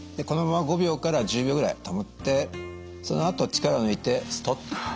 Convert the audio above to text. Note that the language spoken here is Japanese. このまま５秒から１０秒ぐらい保ってそのあと力を抜いてストン。